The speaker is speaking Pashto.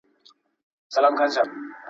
زلمی